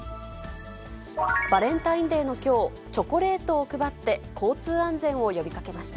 バレンタインデーのきょう、チョコレートを配って交通安全を呼びかけました。